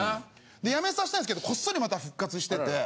やめさせたんですけどこっそりまた復活してて。